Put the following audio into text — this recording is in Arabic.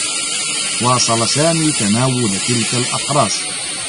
واصل سامي تناول تلك الأقراص.